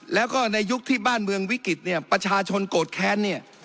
แล้วก็ในยุคที่บ้านเมืองวิกฤตเนี่ยประชาชนโกรธแค้นเนี่ย